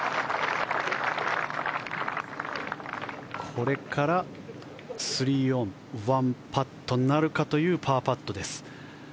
これから３オン１パットなるかというパーパットです。